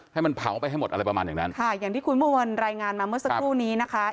ให้มันเผาไปให้หมดอะไรประมาณอย่างนั้นค่ะอย่างที่คุณเมื่อวานรายงานมาเมื่อสักครู่นี้นะคะ